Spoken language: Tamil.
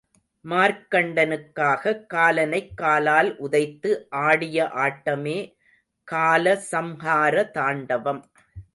மார்க்கண்டனுக்காக, காலனைக் காலால் உதைத்து ஆடிய ஆட்டமே கால சம்ஹார தாண்டவம்.